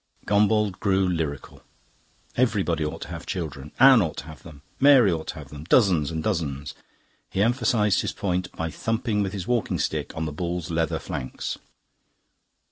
Gombauld grew lyrical. Everybody ought to have children Anne ought to have them, Mary ought to have them dozens and dozens. He emphasised his point by thumping with his walking stick on the bull's leather flanks.